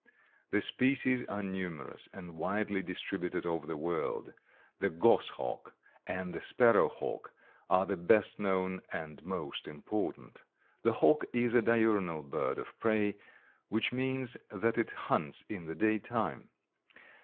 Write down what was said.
The species are numerous and widely distributed over the world; the goshawk and the sparrowhawk are the best known and most important. The hawk is a diurnal bird of prey, which means that it hunts in the day time.